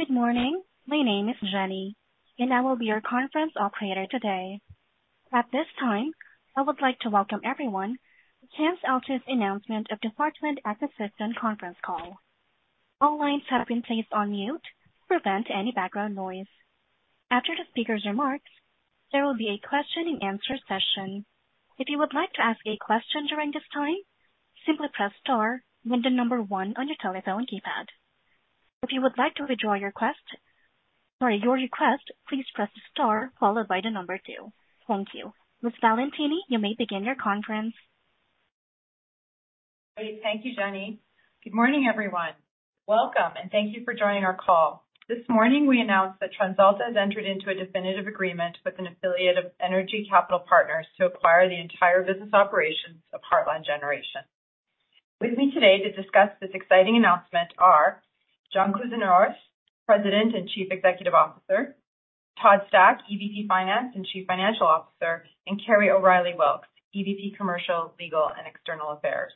Good morning. My name is Jenny, and I will be your conference operator today. At this time, I would like to welcome everyone to TransAlta's announcement of the Heartland Generation conference call. All lines have been placed on mute to prevent any background noise. After the speaker's remarks, there will be a question and answer session. If you would like to ask a question during this time, simply press Star, then the number one on your telephone keypad. If you would like to withdraw your request, your request, please press Star followed by the number two. Thank you. Ms. Valentini, you may begin your conference. Great. Thank you, Jenny. Good morning, everyone. Welcome, and thank you for joining our call. This morning, we announced that TransAlta has entered into a definitive agreement with an affiliate of Energy Capital Partners to acquire the entire business operations of Heartland Generation. With me today to discuss this exciting announcement are John Kousinioris, President and Chief Executive Officer, Todd Stack, Executive Vice President, Finance and Chief Financial Officer, and Kerry O'Reilly Wilks, Executive Vice President, Commercial, Legal, and External Affairs.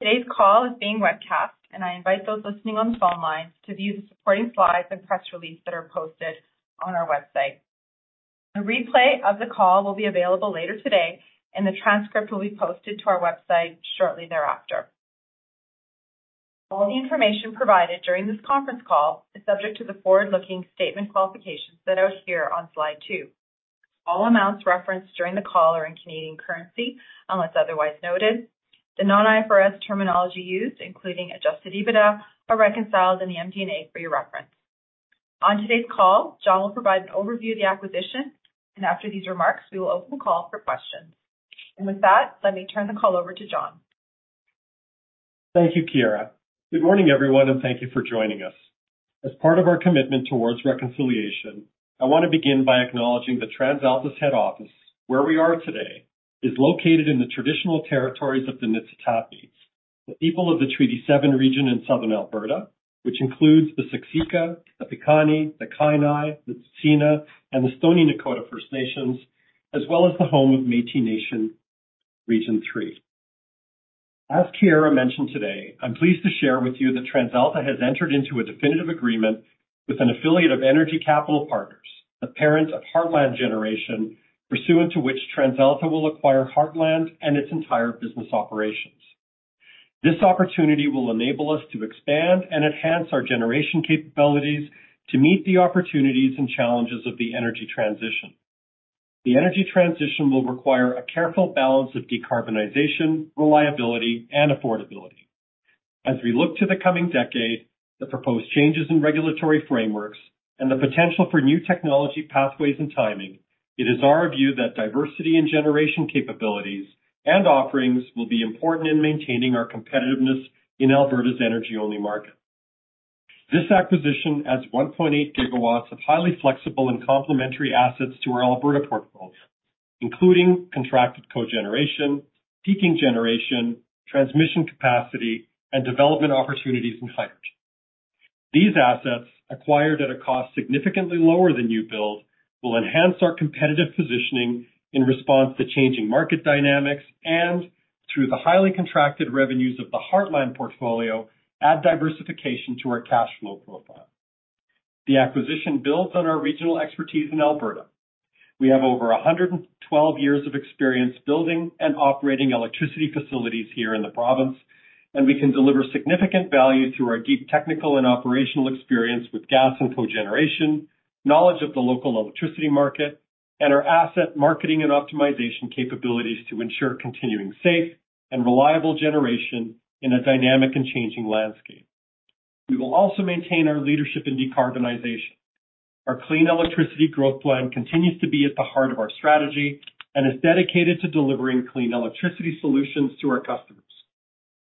Today's call is being webcast, and I invite those listening on the phone lines to view the supporting slides and press release that are posted on our website. A replay of the call will be available later today, and the transcript will be posted to our website shortly thereafter. All the information provided during this conference call is subject to the forward-looking statement qualifications that are here on slide two. All amounts referenced during the call are in CAD, unless otherwise noted. The non-IFRS terminology used, including Adjusted EBITDA, are reconciled in the MD&A for your reference. On today's call, John will provide an overview of the acquisition, and after these remarks, we will open the call for questions. With that, let me turn the call over to John. Thank you, Chiara. Good morning, everyone, and thank you for joining us. As part of our commitment toward reconciliation, I want to begin by acknowledging TransAlta's head office, where we are today, is located in the traditional territories of the Niitsitapi, the people of the Treaty 7 region in Southern Alberta, which includes the Siksika, the Piikani, the Kainai, the Tsuut'ina, and the Stoney Nakoda First Nations, as well as the home of Métis Nation, Region 3. As Chiara mentioned today, I'm pleased to share with you that TransAlta has entered into a definitive agreement with an affiliate of Energy Capital Partners, the parent of Heartland Generation, pursuant to which TransAlta will acquire Heartland and its entire business operations. This opportunity will enable us to expand and enhance our generation capabilities to meet the opportunities and challenges of the energy transition. The energy transition will require a careful balance of decarbonization, reliability, and affordability. As we look to the coming decade, the proposed changes in regulatory frameworks and the potential for new technology, pathways, and timing, it is our view that diversity in generation capabilities and offerings will be important in maintaining our competitiveness in Alberta's energy-only market. This acquisition adds 1.8 gigawatts of highly flexible and complementary assets to our Alberta portfolio, including contracted cogeneration, peaking generation, transmission capacity, and development opportunities in hydro. These assets, acquired at a cost significantly lower than new build, will enhance our competitive positioning in response to changing market dynamics and, through the highly contracted revenues of the Heartland portfolio, add diversification to our cash flow profile. The acquisition builds on our regional expertise in Alberta. We have over 112 years of experience building and operating electricity facilities here in the province, and we can deliver significant value through our deep technical and operational experience with gas and cogeneration, knowledge of the local electricity market, and our asset marketing and optimization capabilities to ensure continuing safe and reliable generation in a dynamic and changing landscape. We will also maintain our leadership in decarbonization. Our Clean Electricity Growth Plan continues to be at the heart of our strategy and is dedicated to delivering clean electricity solutions to our customers.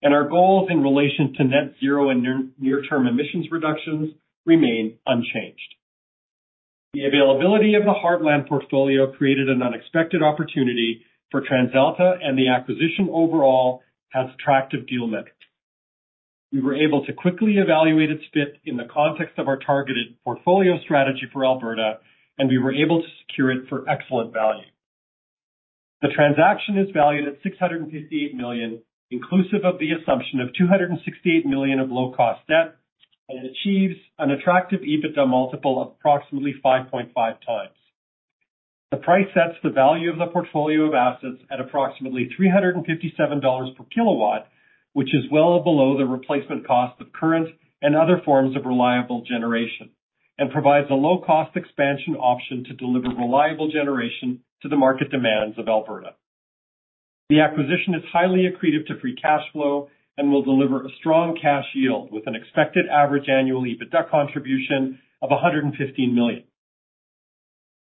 Our goals in relation to Net Zero and near-term emissions reductions remain unchanged. The availability of the Heartland portfolio created an unexpected opportunity for TransAlta, and the acquisition overall has attractive deal metrics. We were able to quickly evaluate its fit in the context of our targeted portfolio strategy for Alberta, and we were able to secure it for excellent value. The transaction is valued at 658 million, inclusive of the assumption of 268 million of low-cost debt, and it achieves an attractive EBITDA multiple of approximately 5.5x. The price sets the value of the portfolio of assets at approximately 357 dollars per kilowatt, which is well below the replacement cost of current and other forms of reliable generation, and provides a low-cost expansion option to deliver reliable generation to the market demands of Alberta. The acquisition is highly accretive to free cash flow and will deliver a strong cash yield with an expected average annual EBITDA contribution of 115 million.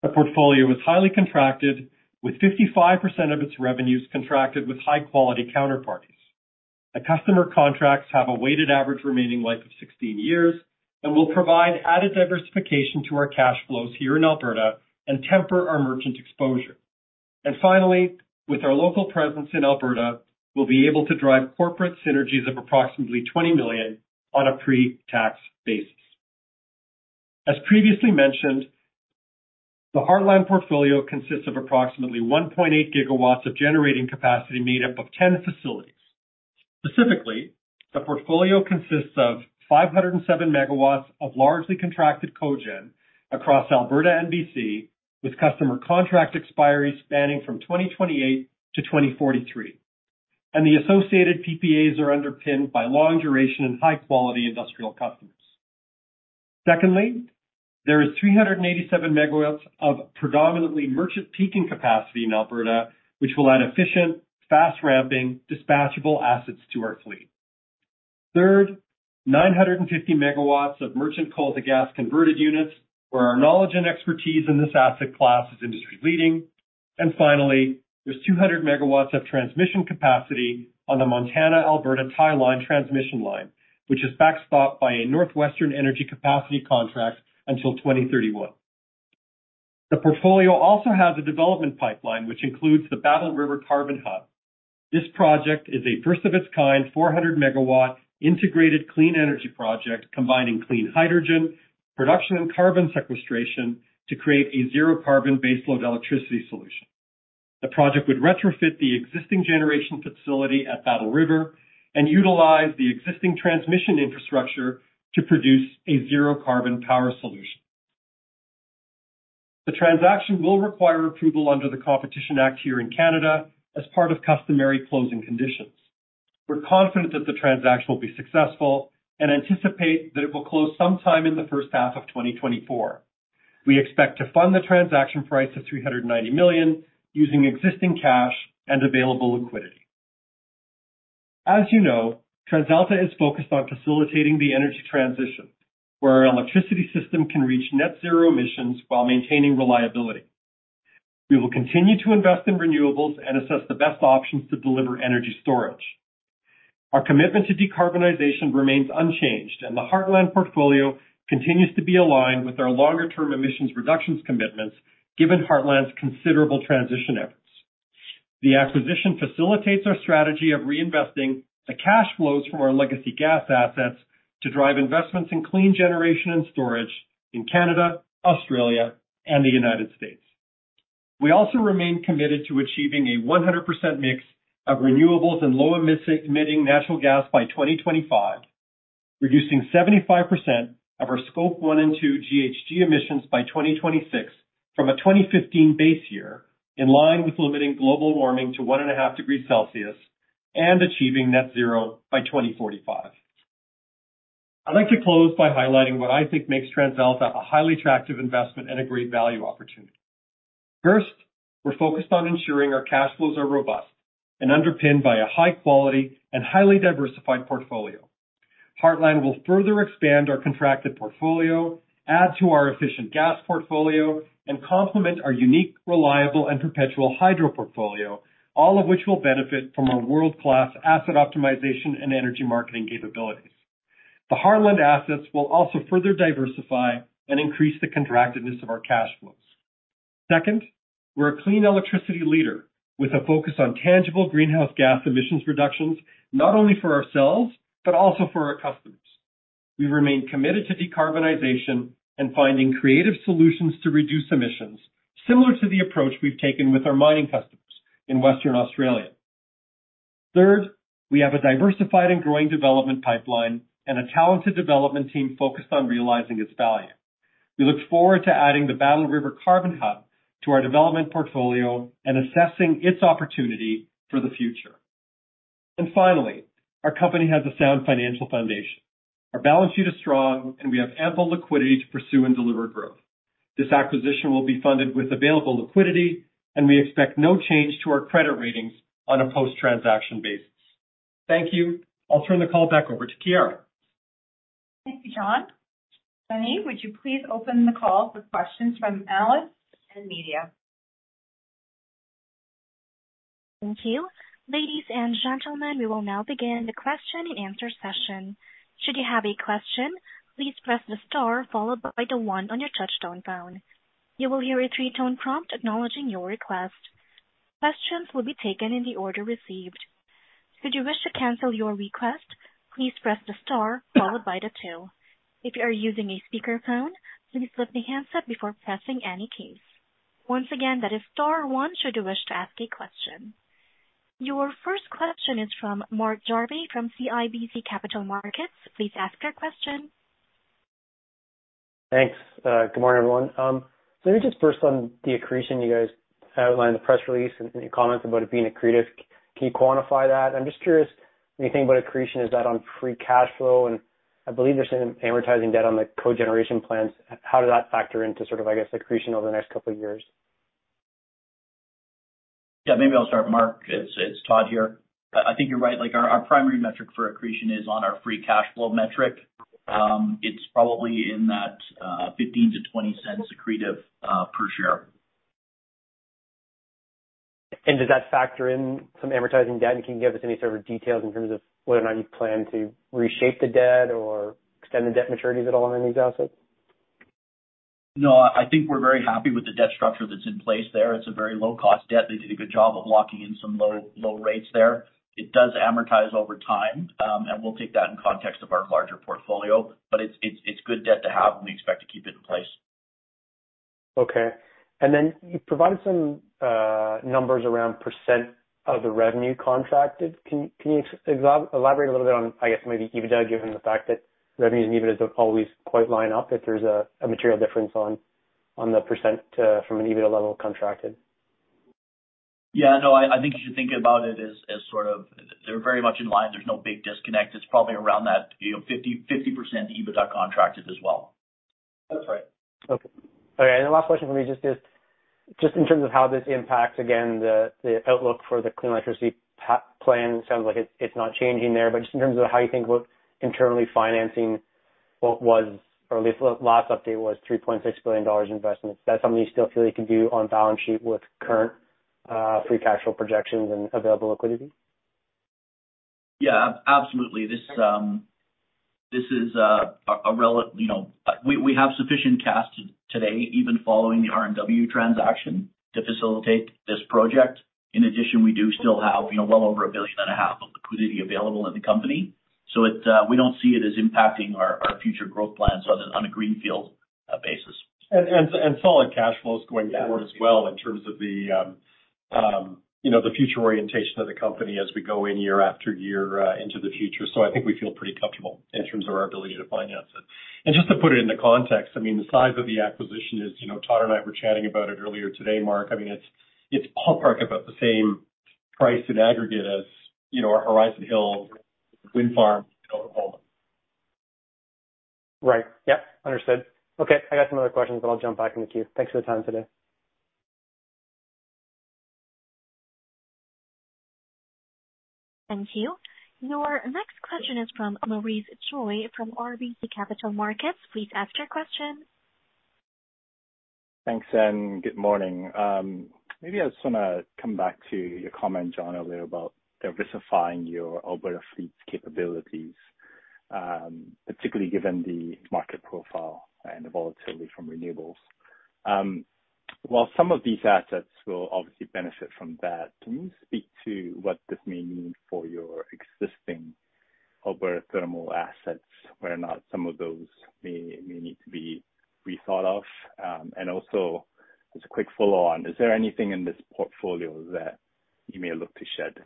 The portfolio is highly contracted, with 55% of its revenues contracted with high-quality counterparties. The customer contracts have a weighted average remaining life of 16 years and will provide added diversification to our cash flows here in Alberta and temper our merchant exposure. And finally, with our local presence in Alberta, we'll be able to drive corporate synergies of approximately 20 million on a pre-tax basis... As previously mentioned, the Heartland portfolio consists of approximately 1.8 gigawatts of generating capacity made up of 10 facilities. Specifically, the portfolio consists of 507 megawatts of largely contracted cogen across Alberta and BC, with customer contract expiry spanning from 2028-2043, and the associated PPAs are underpinned by long duration and high quality industrial customers. Secondly, there is 387 MW of predominantly merchant peaking capacity in Alberta, which will add efficient, fast-ramping, dispatchable assets to our fleet. Third, 950 MW of merchant coal-to-gas converted units, where our knowledge and expertise in this asset class is industry-leading. And finally, there's 200 MW of transmission capacity on the Montana Alberta Tie Line transmission line, which is backstopped by a NorthWestern Energy capacity contract until 2031. The portfolio also has a development pipeline, which includes the Battle River Carbon Hub. This project is a first of its kind, 400-MW integrated clean energy project, combining clean hydrogen, production and carbon sequestration to create a zero-carbon baseload electricity solution. The project would retrofit the existing generation facility at Battle River and utilize the existing transmission infrastructure to produce a zero-carbon power solution. The transaction will require approval under the Competition Act here in Canada as part of customary closing conditions. We're confident that the transaction will be successful and anticipate that it will close sometime in the first half of 2024. We expect to fund the transaction price of 390 million using existing cash and available liquidity. As you know, TransAlta is focused on facilitating the energy transition, where our electricity system can reach net zero emissions while maintaining reliability. We will continue to invest in renewables and assess the best options to deliver energy storage. Our commitment to decarbonization remains unchanged, and the Heartland portfolio continues to be aligned with our longer-term emissions reductions commitments, given Heartland's considerable transition efforts. The acquisition facilitates our strategy of reinvesting the cash flows from our legacy gas assets to drive investments in clean generation and storage in Canada, Australia, and the United States. We also remain committed to achieving a 100% mix of renewables and low-emitting natural gas by 2025, reducing 75% of our Scope 1 and 2 GHG emissions by 2026 from a 2015 base year, in line with limiting global warming to 1.5 degrees Celsius and achieving net zero by 2045. I'd like to close by highlighting what I think makes TransAlta a highly attractive investment and a great value opportunity. First, we're focused on ensuring our cash flows are robust and underpinned by a high quality and highly diversified portfolio. Heartland will further expand our contracted portfolio, add to our efficient gas portfolio, and complement our unique, reliable, and perpetual hydro portfolio, all of which will benefit from our world-class asset optimization and energy marketing capabilities. The Heartland assets will also further diversify and increase the contractedness of our cash flows. Second, we're a clean electricity leader with a focus on tangible greenhouse gas emissions reductions, not only for ourselves, but also for our customers. We remain committed to decarbonization and finding creative solutions to reduce emissions, similar to the approach we've taken with our mining customers in Western Australia. Third, we have a diversified and growing development pipeline and a talented development team focused on realizing its value. We look forward to adding the Battle River Carbon Hub to our development portfolio and assessing its opportunity for the future. And finally, our company has a sound financial foundation. Our balance sheet is strong, and we have ample liquidity to pursue and deliver growth. This acquisition will be funded with available liquidity, and we expect no change to our credit ratings on a post-transaction basis. Thank you. I'll turn the call back over to Chiara. Thank you, John. Jenny, would you please open the call for questions from analysts and media? Thank you. Ladies and gentlemen, we will now begin the question and answer session. Should you have a question, please press the star followed by the one on your touchtone phone. You will hear a three-tone prompt acknowledging your request. Questions will be taken in the order received. Should you wish to cancel your request, please press the star followed by the two. If you are using a speakerphone, please lift the handset before pressing any keys. Once again, that is star one, should you wish to ask a question. Your first question is from Mark Jarvi, from CIBC Capital Markets. Please ask your question. Thanks. Good morning, everyone. Maybe just first on the accretion, you guys outlined the press release and your comments about it being accretive. Can you quantify that? I'm just curious, when you think about accretion, is that on Free Cash Flow? And I believe there's some amortizing debt on the cogeneration plants. How does that factor into sort of, I guess, accretion over the next couple of years? Yeah, maybe I'll start, Mark. It's Todd here. I think you're right. Like, our primary metric for accretion is on our free cash flow metric. It's probably in that 15-20 cents accretive per share. Does that factor in some amortizing debt? And can you give us any sort of details in terms of whether or not you plan to reshape the debt or extend the debt maturities at all on these assets?... No, I think we're very happy with the debt structure that's in place there. It's a very low-cost debt. They did a good job of locking in some low, low rates there. It does amortize over time, and we'll take that in context of our larger portfolio, but it's, it's, it's good debt to have, and we expect to keep it in place. Okay. And then you provided some numbers around percent of the revenue contracted. Can you elaborate a little bit on, I guess, maybe EBITDA, given the fact that revenues and EBITDA don't always quite line up, if there's a material difference on the percent from an EBITDA level contracted? Yeah, no, I think you should think about it as sort of they're very much in line. There's no big disconnect. It's probably around that, you know, 50% EBITDA contracted as well. That's right. Okay. Okay, and the last question from me, just, just, just in terms of how this impacts, again, the outlook for the clean electricity plan. Sounds like it's not changing there. But just in terms of how you think about internally financing what was, or at least last update, was 3.6 billion dollars in investments, is that something you still feel you can do on balance sheet with current free cash flow projections and available liquidity? Yeah, absolutely. This is, you know, we have sufficient cash today, even following the RNW transaction, to facilitate this project. In addition, we do still have, you know, well over 1.5 billion of liquidity available in the company, so it, we don't see it as impacting our future growth plans on a greenfield basis. Solid cash flows going forward- Yeah. as well, in terms of the, you know, the future orientation of the company as we go in year after year, into the future. So I think we feel pretty comfortable in terms of our ability to finance it. And just to put it into context, I mean, the size of the acquisition is, you know, Todd and I were chatting about it earlier today, Mark. I mean, it's ballpark about the same price in aggregate as, you know, our Horizon Hill Wind Farm portfolio. Right. Yeah. Understood. Okay. I got some other questions, but I'll jump back in the queue. Thanks for the time today. Thank you. Your next question is from Maurice Choy, from RBC Capital Markets. Please ask your question. Thanks, and good morning. Maybe I just wanna come back to your comment, John, earlier about diversifying your Alberta fleet's capabilities, particularly given the market profile and the volatility from renewables. While some of these assets will obviously benefit from that, can you speak to what this may mean for your existing Alberta thermal assets, where some of those may need to be rethought of? And also, as a quick follow-on, is there anything in this portfolio that you may look to shed?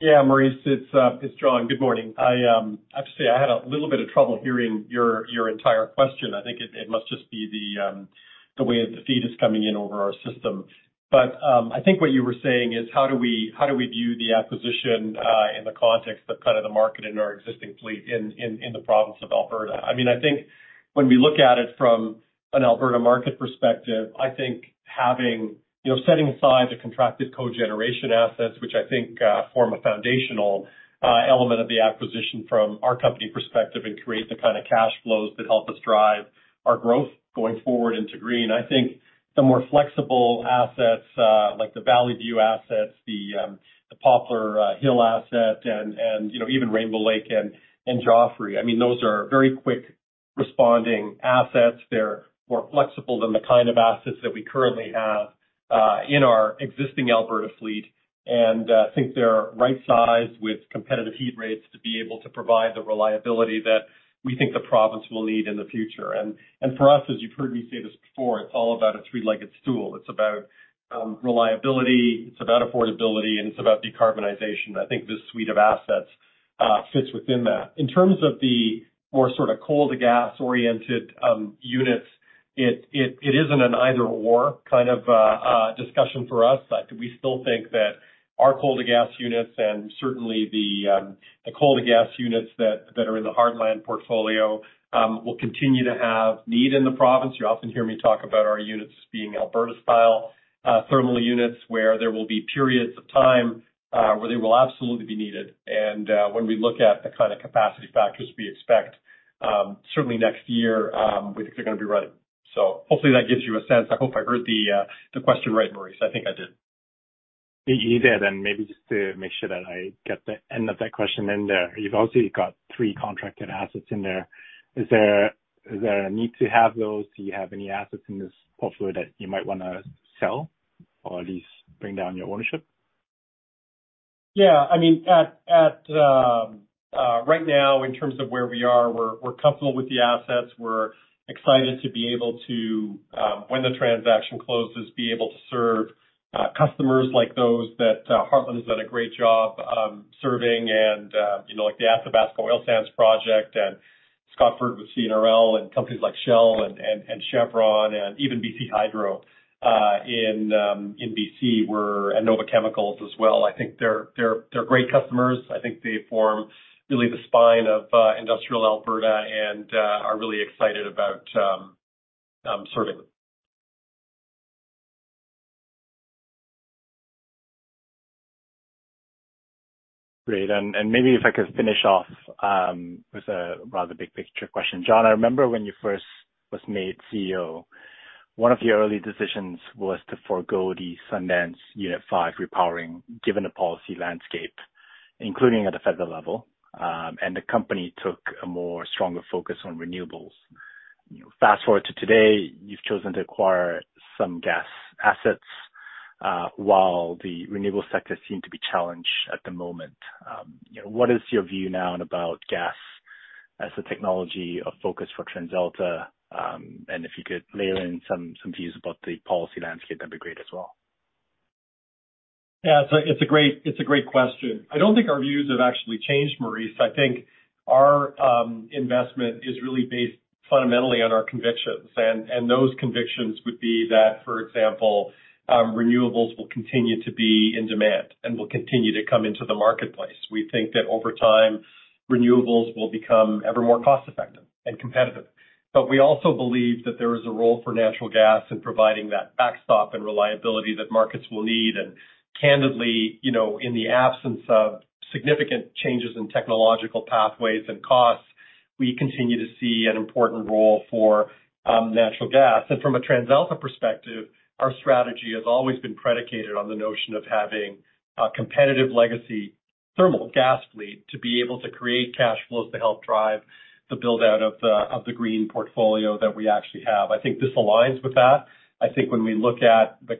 Yeah, Maurice, it's John. Good morning. I have to say, I had a little bit of trouble hearing your entire question. I think it must just be the way that the feed is coming in over our system. But I think what you were saying is, how do we view the acquisition in the context of kind of the market in our existing fleet in the province of Alberta? I mean, I think when we look at it from an Alberta market perspective, I think having... You know, setting aside the contracted cogeneration assets, which I think form a foundational element of the acquisition from our company perspective and create the kind of cash flows that help us drive our growth going forward into green. I think the more flexible assets, like the Valleyview assets, the Poplar Hill asset, and, you know, even Rainbow Lake and Joffre, I mean, those are very quick-responding assets. They're more flexible than the kind of assets that we currently have in our existing Alberta fleet. And I think they're right size with competitive heat rates to be able to provide the reliability that we think the province will need in the future. And for us, as you've heard me say this before, it's all about a three-legged stool. It's about reliability, it's about affordability, and it's about decarbonization. I think this suite of assets fits within that. In terms of the more sort of coal-to-gas-oriented units, it isn't an either/or kind of discussion for us. We still think that our coal-to-gas units and certainly the, the coal-to-gas units that, that are in the Heartland portfolio, will continue to have need in the province. You often hear me talk about our units being Alberta-style, thermal units, where there will be periods of time, where they will absolutely be needed. And, when we look at the kind of capacity factors we expect, certainly next year, we think they're gonna be running. So hopefully that gives you a sense. I hope I heard the, the question right, Maurice. I think I did. You did, and maybe just to make sure that I get the end of that question in there, you've obviously got three contracted assets in there. Is there, is there a need to have those? Do you have any assets in this portfolio that you might wanna sell or at least bring down your ownership? Yeah, I mean, at, at, right now, in terms of where we are, we're comfortable with the assets. We're excited to be able to, when the transaction closes, be able to serve, customers like those that, Heartland has done a great job, serving. And, you know, like the Athabasca Oil Sands Project and Scotford with CNRL and companies like Shell and Chevron and even BC Hydro, in, in BC. And Nova Chemicals as well. I think they're great customers. I think they form really the spine of industrial Alberta and are really excited about serving them. Great. And maybe if I could finish off, with a rather big-picture question. John, I remember when you first was made CEO... One of the early decisions was to forego the Sundance Unit 5 repowering, given the policy landscape, including at the federal level, and the company took a more stronger focus on renewables. Fast forward to today, you've chosen to acquire some gas assets, while the renewable sector seem to be challenged at the moment. What is your view now about gas as a technology of focus for TransAlta? And if you could layer in some views about the policy landscape, that'd be great as well. Yeah, it's a great question. I don't think our views have actually changed, Maurice. I think our investment is really based fundamentally on our convictions, and those convictions would be that, for example, renewables will continue to be in demand and will continue to come into the marketplace. We think that over time, renewables will become ever more cost-effective and competitive. But we also believe that there is a role for natural gas in providing that backstop and reliability that markets will need. And candidly, you know, in the absence of significant changes in technological pathways and costs, we continue to see an important role for natural gas. From a TransAlta perspective, our strategy has always been predicated on the notion of having a competitive legacy, thermal gas fleet, to be able to create cash flows to help drive the build-out of the green portfolio that we actually have. I think this aligns with that. I think when we look at the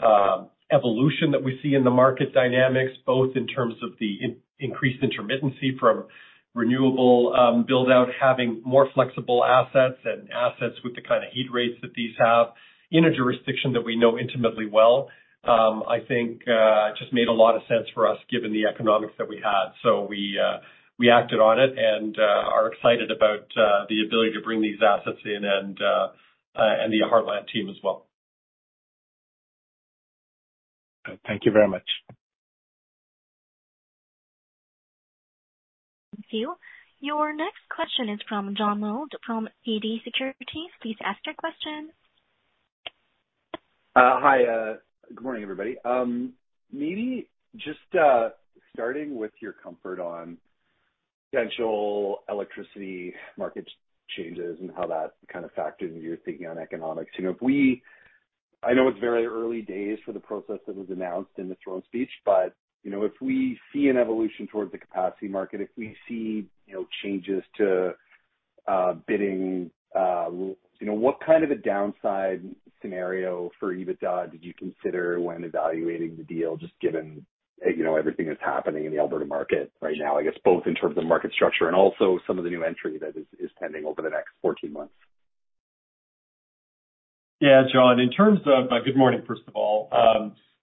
kind of evolution that we see in the market dynamics, both in terms of the increased intermittency from renewable build-out, having more flexible assets and assets with the kind of heat rates that these have in a jurisdiction that we know intimately well, I think it just made a lot of sense for us, given the economics that we had. So we acted on it and are excited about the ability to bring these assets in and the Heartland team as well. Thank you very much. Thank you. Your next question is from John Mould, from TD Securities. Please ask your question. Hi, good morning, everybody. Maybe just starting with your comfort on potential electricity market changes and how that kind of factors into your thinking on economics. You know, I know it's very early days for the process that was announced in the Throne Speech, but, you know, if we see an evolution towards the capacity market, if we see, you know, changes to bidding, you know, what kind of a downside scenario for EBITDA did you consider when evaluating the deal, just given, you know, everything that's happening in the Alberta market right now, I guess, both in terms of market structure and also some of the new entry that is pending over the next 14 months? Yeah, John, in terms of... good morning, first of all.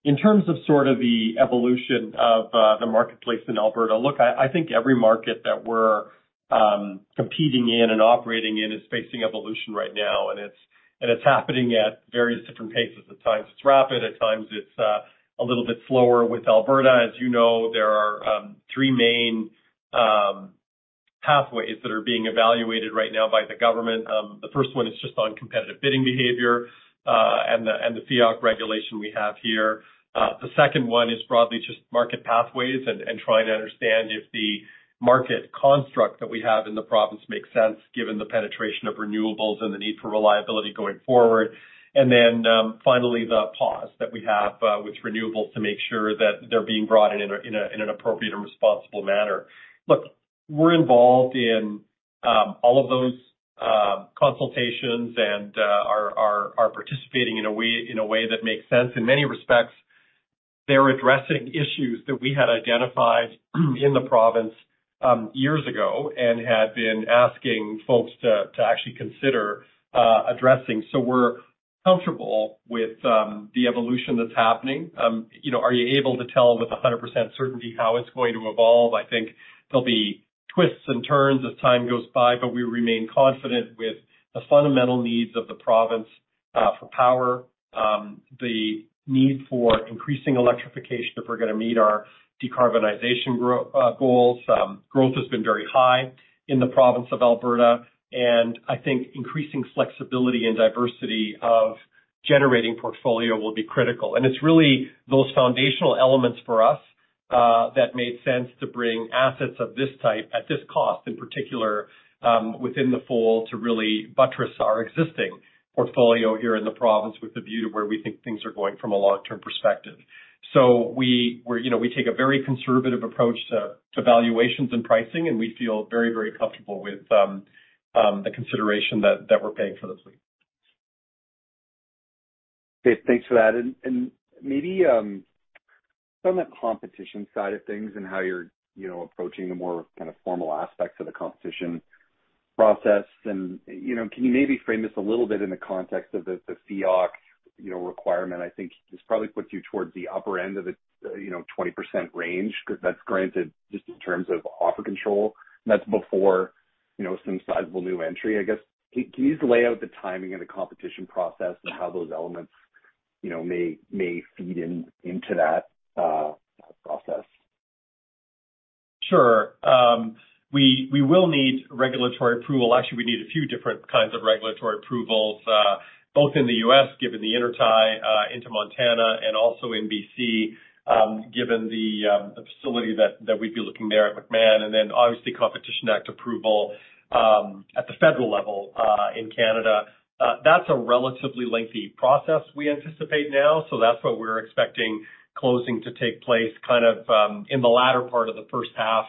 In terms of sort of the evolution of, the marketplace in Alberta, look, I, I think every market that we're, competing in and operating in is facing evolution right now, and it's, and it's happening at various different paces. At times, it's rapid, at times it's, a little bit slower. With Alberta, as you know, there are, three main, pathways that are being evaluated right now by the government. The first one is just on competitive bidding behavior, and the, and the FEOC regulation we have here. The second one is broadly just market pathways and, and trying to understand if the market construct that we have in the province makes sense, given the penetration of renewables and the need for reliability going forward. And then, finally, the pause that we have with renewables to make sure that they're being brought in in an appropriate and responsible manner. Look, we're involved in all of those consultations and are participating in a way that makes sense. In many respects, they're addressing issues that we had identified in the province years ago and had been asking folks to actually consider addressing. So we're comfortable with the evolution that's happening. You know, are you able to tell with 100% certainty how it's going to evolve? I think there'll be twists and turns as time goes by, but we remain confident with the fundamental needs of the province for power, the need for increasing electrification if we're going to meet our decarbonization growth goals. Growth has been very high in the province of Alberta, and I think increasing flexibility and diversity of generating portfolio will be critical. And it's really those foundational elements for us that made sense to bring assets of this type at this cost, in particular, within the fold, to really buttress our existing portfolio here in the province with the view of where we think things are going from a long-term perspective. So, you know, we take a very conservative approach to valuations and pricing, and we feel very, very comfortable with the consideration that we're paying for the fleet. Okay, thanks for that. And maybe from the competition side of things and how you're, you know, approaching the more kind of formal aspects of the competition process, and, you know, can you maybe frame this a little bit in the context of the FEOC, you know, requirement? I think this probably puts you towards the upper end of the, you know, 20% range, because that's granted just in terms of offer control, and that's before, you know, some sizable new entry, I guess. Can you just lay out the timing and the competition process and how those elements, you know, may feed in into that process? Sure. We will need regulatory approval. Actually, we need a few different kinds of regulatory approvals... both in the U.S., given the intertie, into Montana and also in B.C., given the facility that we'd be looking there at McMahon, and then obviously, Competition Act approval, at the federal level, in Canada. That's a relatively lengthy process we anticipate now. So that's what we're expecting, closing to take place kind of, in the latter part of the first half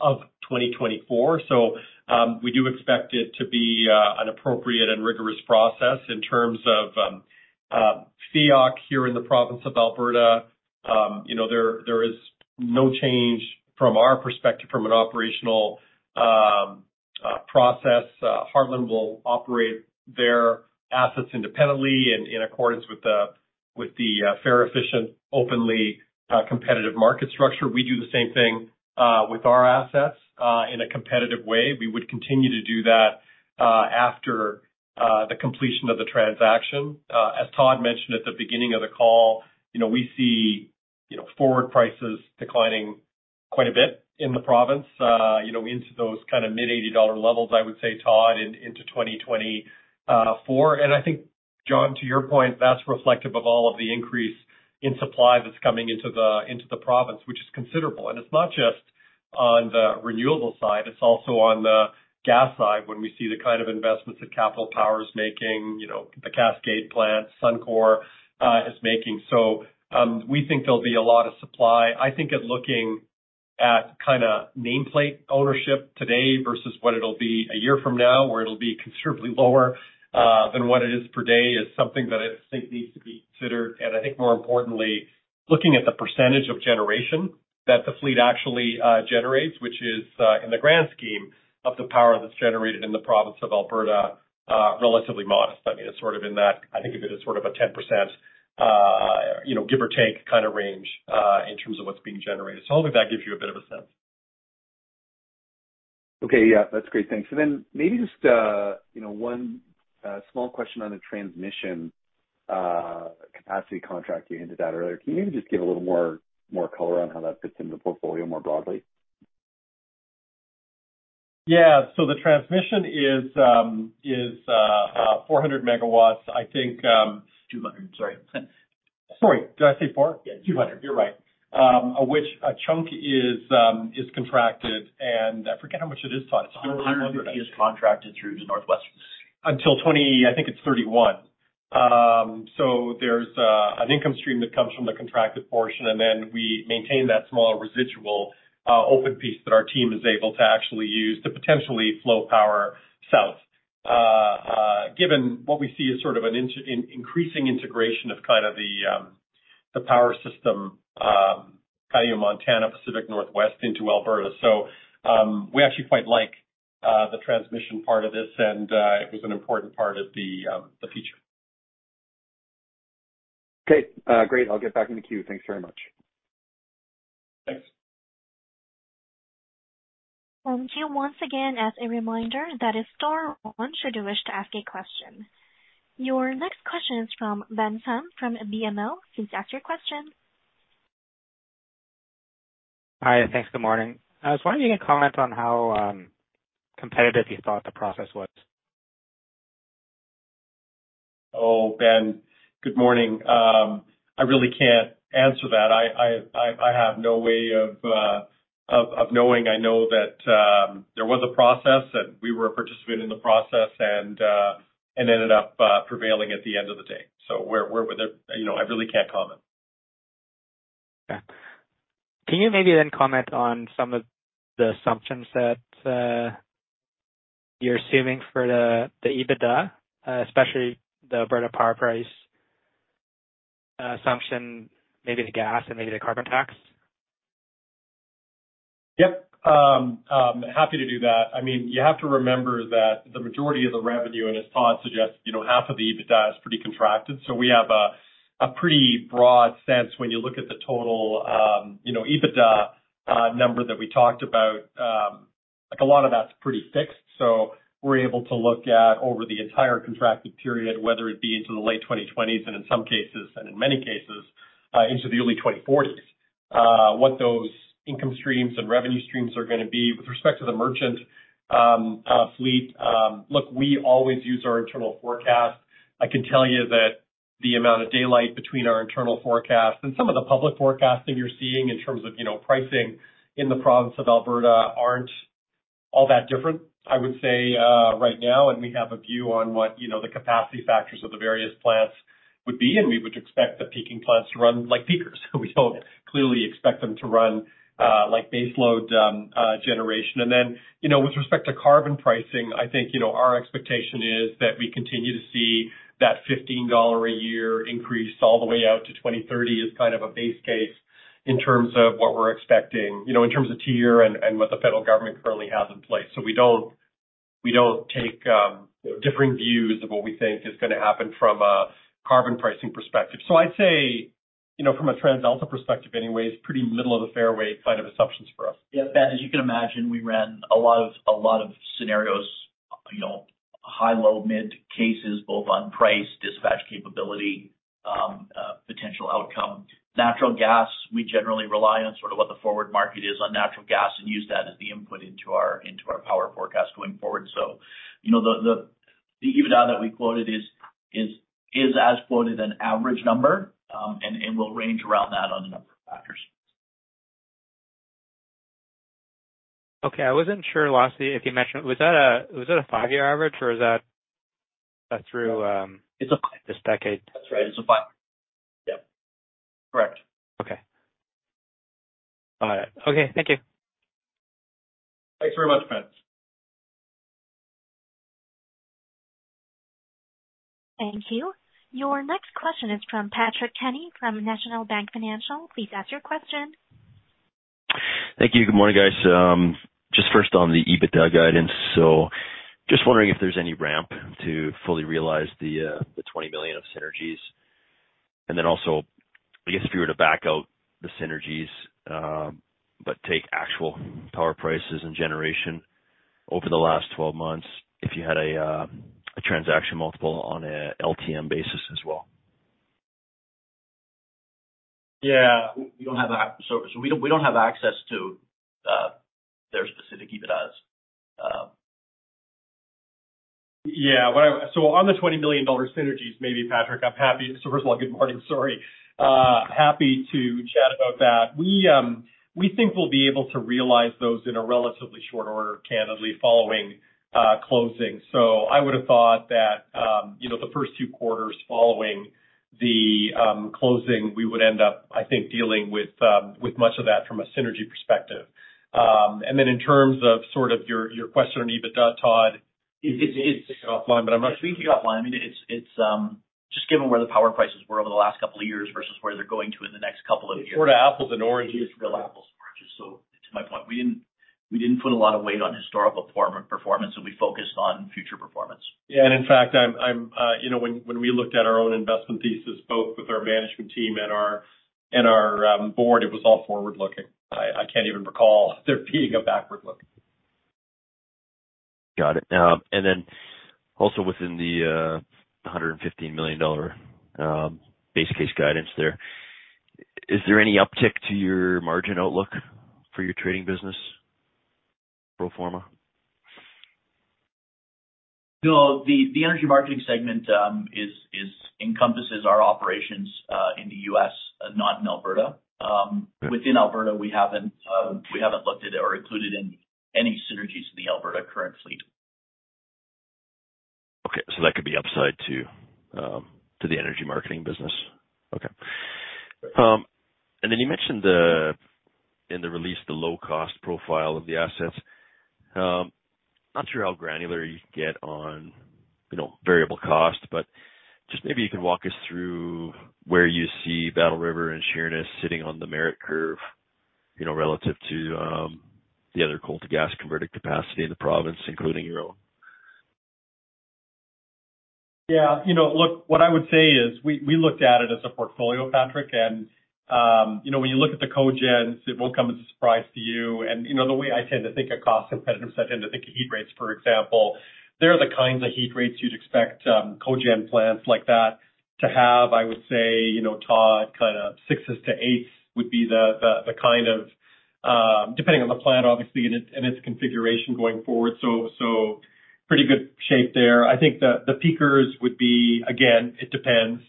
of 2024. So, we do expect it to be an appropriate and rigorous process in terms of, FEOC here in the province of Alberta. You know, there is no change from our perspective from an operational, process. Heartland will operate their assets independently and in accordance with the fair, efficient, openly competitive market structure. We do the same thing with our assets in a competitive way. We would continue to do that after the completion of the transaction. As Todd mentioned at the beginning of the call, you know, we see, you know, forward prices declining quite a bit in the province, you know, into those kind of mid-CAD 80 levels, I would say, Todd, into 2024. And I think, John, to your point, that's reflective of all of the increase in supply that's coming into the province, which is considerable. And it's not just on the renewable side, it's also on the gas side, when we see the kind of investments that Capital Power is making, you know, the Cascade plant, Suncor is making. So, we think there'll be a lot of supply. I think at looking at kind of nameplate ownership today versus what it'll be a year from now, where it'll be considerably lower than what it is per day, is something that I think needs to be considered. And I think more importantly, looking at the percentage of generation that the fleet actually generates, which is, in the grand scheme of the power that's generated in the province of Alberta, relatively modest. I mean, it's sort of in that, I think of it as sort of a 10%, you know, give or take, kind of range, in terms of what's being generated. So hopefully that gives you a bit of a sense. Okay. Yeah, that's great. Thanks. And then maybe just, you know, one small question on the transmission capacity contract. You hinted at earlier. Can you maybe just give a little more color on how that fits into the portfolio more broadly? Yeah. So the transmission is 400 MW, I think. 200, sorry. Sorry, did I say 4? Yeah, 200. You're right. Of which a chunk is contracted, and I forget how much it is, Todd. 200 is contracted through to Northwestern. Until 2031. So there's an income stream that comes from the contracted portion, and then we maintain that smaller residual open piece that our team is able to actually use to potentially flow power south. Given what we see as sort of an increasing integration of kind of the power system kind of Montana, Pacific Northwest into Alberta. So we actually quite like the transmission part of this, and it was an important part of the feature. Okay, great. I'll get back in the queue. Thanks very much. Thanks. Here once again, as a reminder, that is star one, should you wish to ask a question. Your next question is from Ben Pham from BMO. Please ask your question. Hi, thanks. Good morning. I was wondering if you could comment on how, competitive you thought the process was? Oh, Ben, good morning. I really can't answer that. I have no way of knowing. I know that there was a process, that we were a participant in the process and ended up prevailing at the end of the day. So we're there, you know, I really can't comment. Okay. Can you maybe then comment on some of the assumptions that, you're assuming for the, the EBITDA, especially the Alberta power price, assumption, maybe the gas and maybe the carbon tax? Yep. Happy to do that. I mean, you have to remember that the majority of the revenue, and as Todd suggests, you know, half of the EBITDA is pretty contracted. So we have a pretty broad sense when you look at the total, you know, EBITDA number that we talked about. Like a lot of that's pretty fixed. So we're able to look at over the entire contracted period, whether it be into the late 2020s and in some cases, and in many cases, into the early 2040s, what those income streams and revenue streams are gonna be. With respect to the merchant fleet, look, we always use our internal forecast. I can tell you that the amount of daylight between our internal forecast and some of the public forecasting you're seeing in terms of, you know, pricing in the province of Alberta, aren't all that different, I would say, right now. And we have a view on what, you know, the capacity factors of the various plants would be, and we would expect the peaking plants to run like peakers. We don't clearly expect them to run like baseload generation. And then, you know, with respect to carbon pricing, I think, you know, our expectation is that we continue to see that 15 dollar a year increase all the way out to 2030 is kind of a base case in terms of what we're expecting, you know, in terms of TIER and what the federal government currently has in place. So we don't, we don't take differing views of what we think is gonna happen from a carbon pricing perspective. So I'd say, you know, from a TransAlta perspective anyway, it's pretty middle of the fairway kind of assumptions for us. Yeah, Ben, as you can imagine, we ran a lot of scenarios, you know, high, low, mid cases, both on price, dispatch capability, potential outcome. Natural gas, we generally rely on sort of what the forward market is on natural gas and use that as the input into our power forecast going forward. So, you know, the EBITDA that we quoted is as quoted, an average number, and will range around that on a number of factors. Okay. I wasn't sure, lastly, if you mentioned, was that a five-year average or is that through... It's a this decade? That's right. It's a five. Yep. Correct. Okay. All right. Okay. Thank you. Thanks very much, Patrick. Thank you. Your next question is from Patrick Kenny from National Bank Financial. Please ask your question. Thank you. Good morning, guys. Just first on the EBITDA guidance. So just wondering if there's any ramp to fully realize the 20 million of synergies. And then also, I guess, if you were to back out the synergies, but take actual power prices and generation over the last twelve months, if you had a transaction multiple on a LTM basis as well. Yeah, so we don't, we don't have access to their specific EBITDAs. Yeah. So on the 20 million dollar synergies, maybe, Patrick, I'm happy. So first of all, good morning. Sorry. Happy to chat about that. We, we think we'll be able to realize those in a relatively short order, candidly, following, closing. So I would have thought that, you know, the first two quarters following the, closing, we would end up, I think, dealing with, with much of that from a synergy perspective. And then in terms of sort of your, your question on EBITDA, Todd, it, it's- Offline, but I'm not speaking offline. I mean, it's just given where the power prices were over the last couple of years versus where they're going to in the next couple of years. Sort of apples and oranges. It's real apples and oranges. So to my point, we didn't put a lot of weight on historical performance, so we focused on future performance. Yeah. And in fact, I'm you know, when we looked at our own investment thesis, both with our management team and our board, it was all forward-looking. I can't even recall there being a backward-looking. Got it. And then also within the 115 million dollar base case guidance there, is there any uptick to your margin outlook for your trading business pro forma? No, the energy marketing segment encompasses our operations in the U.S., not in Alberta. Within Alberta, we haven't looked at or included in any synergies in the Alberta current fleet. Okay. So that could be upside to the energy marketing business? Okay. Right. And then you mentioned in the release the low-cost profile of the assets. Not sure how granular you can get on, you know, variable cost, but just maybe you can walk us through where you see Battle River and Sheerness sitting on the merit curve, you know, relative to the other coal-to-gas converted capacity in the province, including your own. Yeah. You know, look, what I would say is, we looked at it as a portfolio, Patrick, and, you know, when you look at the cogens, it won't come as a surprise to you. And, you know, the way I tend to think of cost competitive, I tend to think of heat rates, for example. They're the kinds of heat rates you'd expect, cogen plants like that to have. I would say, you know, Todd, kind of 6,000s-8,000s would be the kind of, depending on the plant, obviously, and its configuration going forward. So, pretty good shape there. I think the peakers would be, again, it depends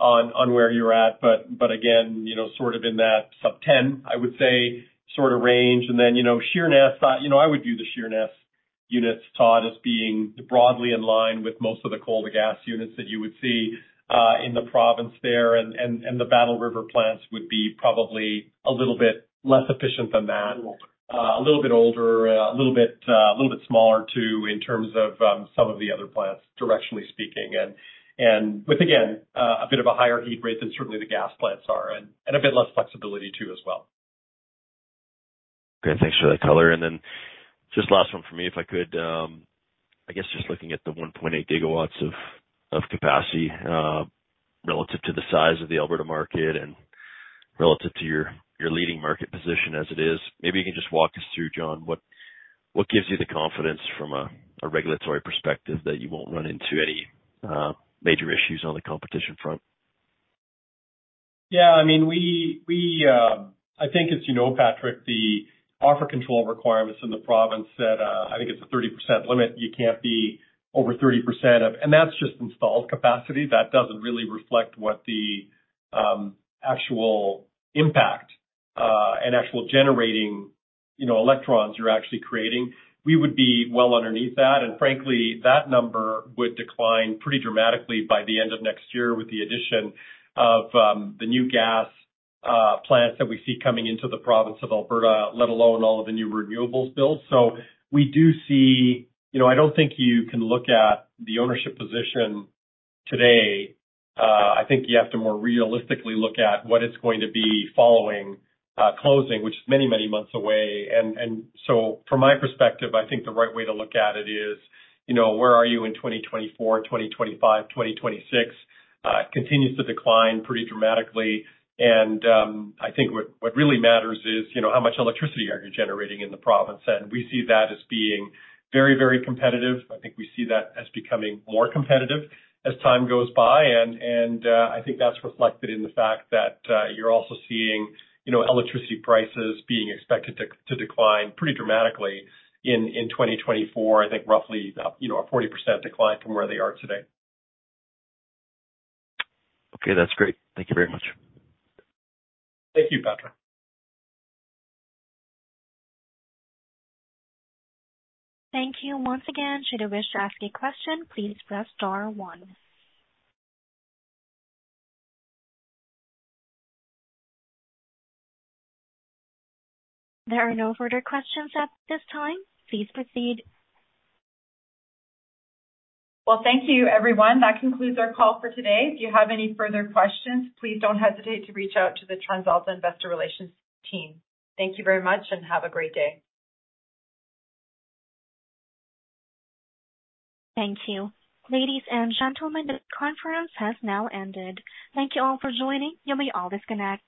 on where you're at, but again, you know, sort of in that sub-10,000, I would say, sort of range. And then, you know, Sheerness, you know, I would view the Sheerness units, Todd, as being broadly in line with most of the coal-to-gas units that you would see in the province there. And the Battle River plants would be probably a little bit less efficient than that. A little older. A little bit older, a little bit smaller, too, in terms of some of the other plants, directionally speaking, and with, again, a bit of a higher heat rate than certainly the gas plants are, and a bit less flexibility, too, as well. Great. Thanks for that color. And then just last one for me, if I could. I guess just looking at the 1.8 GW of capacity, relative to the size of the Alberta market and relative to your leading market position as it is, maybe you can just walk us through, John, what gives you the confidence from a regulatory perspective that you won't run into any major issues on the competition front? Yeah, I mean, I think, as you know, Patrick, the offer control requirements in the province that I think it's a 30% limit. You can't be over 30% of... That's just installed capacity. That doesn't really reflect what the actual impact and actual generating, you know, electrons you're actually creating. We would be well underneath that, and frankly, that number would decline pretty dramatically by the end of next year with the addition of the new gas plants that we see coming into the province of Alberta, let alone all of the new renewables builds. So we do see. You know, I don't think you can look at the ownership position today. I think you have to more realistically look at what it's going to be following closing, which is many, many months away. So from my perspective, I think the right way to look at it is, you know, where are you in 2024, 2025, 2026? It continues to decline pretty dramatically. And I think what really matters is, you know, how much electricity are you generating in the province? And we see that as being very, very competitive. I think we see that as becoming more competitive as time goes by. And I think that's reflected in the fact that you're also seeing, you know, electricity prices being expected to decline pretty dramatically in 2024. I think roughly, you know, a 40% decline from where they are today. Okay, that's great. Thank you very much. Thank you, Patrick. Thank you. Once again, should you wish to ask a question, please press star one. There are no further questions at this time. Please proceed. Well, thank you, everyone. That concludes our call for today. If you have any further questions, please don't hesitate to reach out to the TransAlta Investor Relations team. Thank you very much, and have a great day. Thank you. Ladies and gentlemen, this conference has now ended. Thank you all for joining. You may all disconnect.